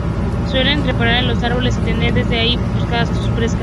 Suele trepar a los árboles y tender desde allí emboscadas a sus presas.